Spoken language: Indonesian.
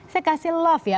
saya kasih love ya